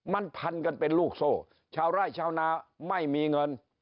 มันพันกันเป็นลูกโซ่ชาวไร่ชาวนาไม่มีเงิน